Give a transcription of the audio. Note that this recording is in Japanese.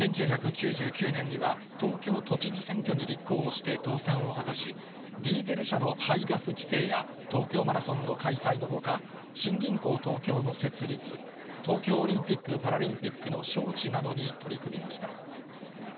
１９９９年には東京都知事選挙に立候補して当選を果たし、ディーゼル車の排ガス規制や、東京マラソンの開催のほか、新銀行東京の設立、東京オリンピック・パラリンピックの招致などに取り組みました。